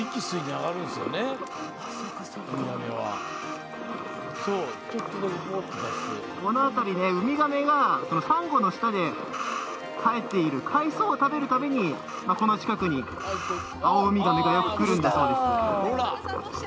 このあとに、ウミガメがサンゴの下に生えている海草を食べるためにこの近くにアオウミガメがよく来るんだそうです。